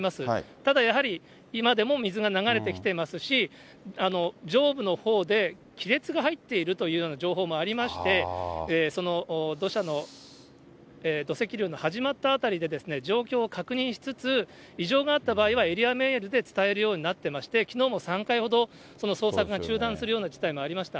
ただやはり、今でも水が流れてきていますし、上部のほうで亀裂が入っているというような情報もありまして、その土石流の始まった辺りで状況を確認しつつ、異常があった場合は、エリアメールで伝えるようになっていまして、きのうも３回ほど、捜索が中断するような事態もありました。